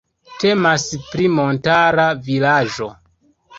Temas pri montara vilaĝo.